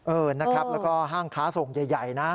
เออนะครับแล้วก็ห้างค้าส่งใหญ่นะ